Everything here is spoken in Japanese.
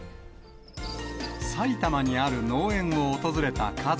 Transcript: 埼玉にある農園を訪れた家族。